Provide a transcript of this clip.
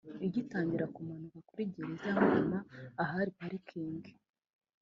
igatangira kumanuka kuri gereza ya Muhima ahari Parking (soma parikingi)